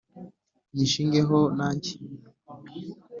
nyishinge ho nange”